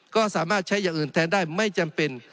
ก็สามารถใช้อย่างอื่นแทนได้ไม่จำเป็น